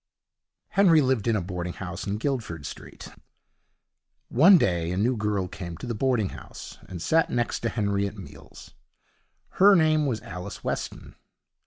Henry lived in a boarding house in Guildford Street. One day a new girl came to the boarding house, and sat next to Henry at meals. Her name was Alice Weston.